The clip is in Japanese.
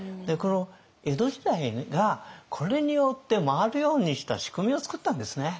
江戸時代がこれによって回るようにした仕組みを作ったんですね。